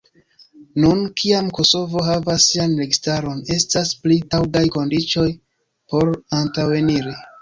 Nun, kiam Kosovo havas sian registaron, estas pli taŭgaj kondiĉoj por antaŭeniri.